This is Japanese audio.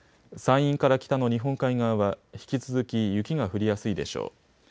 山陰から北の日本海側は引き続き雪が降りやすいでしょう。